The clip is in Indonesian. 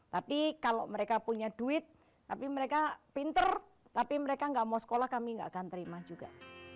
tapi kalau mereka punya duit tapi mereka pinter tapi mereka nggak mau sekolah kami nggak akan terima juga